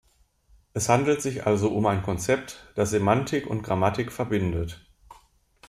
Es handelt sich also um ein Konzept, das Semantik und Grammatik verbindet.